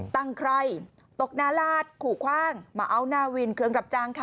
ใครตกหน้าลาดขู่คว่างมาเอาหน้าวินเครื่องรับจ้างค่ะ